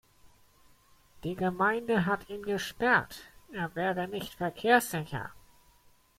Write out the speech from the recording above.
Die Gemeinde hat ihn gesperrt. Er wäre nicht verkehrssicher.